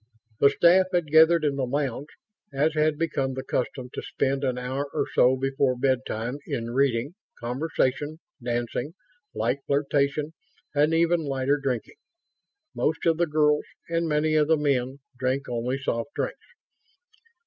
The staff had gathered in the lounge, as had become the custom, to spend an hour or so before bedtime in reading, conversation, dancing, light flirtation and even lighter drinking. Most of the girls, and many of the men, drank only soft drinks.